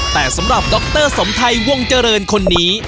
แต่สำหรับดรสมไทยวงเจริญคนนี้